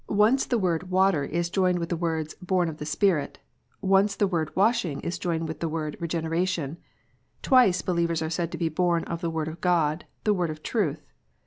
133 the word "water" is joined with the words "born of the Spirit ;" once the word " washing " is joined with the word " Regeneration ;" twice believers are said to be born of the " Word of God," the " Word of truth."